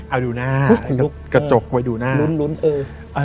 เอาดูหน้ากระจกไว้ดูหน้า